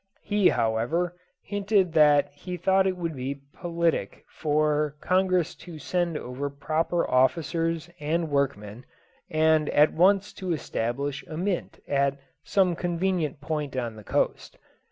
He, however, hinted that he thought it would be politic for Congress to send over proper officers and workmen, and at once to establish a mint at some convenient point on the coast.